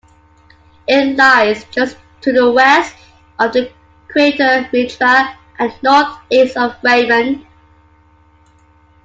It lies just to the west of the crater Mitra, and northeast of Raimond.